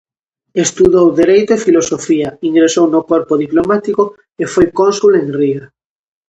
Estudou dereito e filosofía, ingresou no corpo diplomático e foi cónsul en Riga.